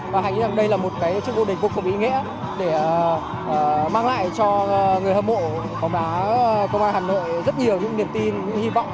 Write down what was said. và hãy nghĩ rằng đây là một cái chức vô địch vô cùng ý nghĩa để mang lại cho người hâm mộ bóng đá công an hà nội rất nhiều những niềm tin những hy vọng